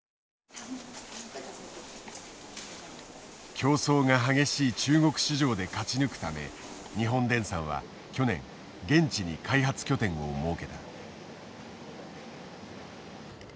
競争が激しい中国市場で勝ち抜くため日本電産は去年現地に開発拠点を設けた。